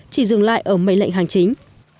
chỉ dừng lại ở mấy lệnh hành chính